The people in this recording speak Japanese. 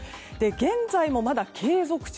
現在もまだ継続中。